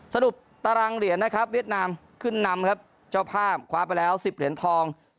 สรุปตารางเหรียญนะครับเวียดนามขึ้นนำครับเจ้าภาพคว้าไปแล้ว๑๐เหรียญทอง